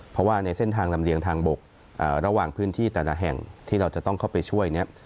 เพราะว่าในเส้นทางลำเลียงทางบกระหว่างพื้นที่แต่ละแห่งที่เราจะต้องเข้าไปช่วยเนี่ย